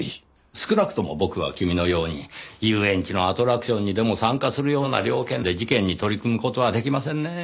少なくとも僕は君のように遊園地のアトラクションにでも参加するような了見で事件に取り組む事は出来ませんねぇ。